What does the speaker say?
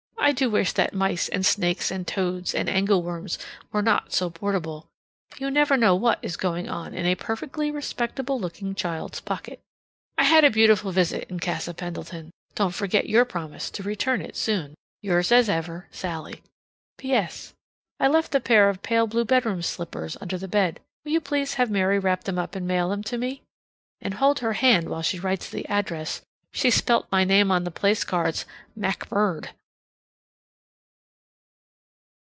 I do wish that mice and snakes and toads and angleworms were not so portable. You never know what is going on in a perfectly respectable looking child's pocket. I had a beautiful visit in Casa Pendleton. Don't forget your promise to return it soon. Yours as ever, SALLIE. P.S. I left a pair of pale blue bedroom slippers under the bed. Will you please have Mary wrap them up and mail them to me? And hold her hand while she writes the address. She spelt my name on the place cards "Mackbird."